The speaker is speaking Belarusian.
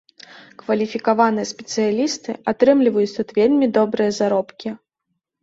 Кваліфікаваныя спецыялісты атрымліваюць тут вельмі добрыя заробкі.